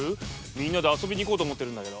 みんなで遊びに行こうと思ってるんだけど。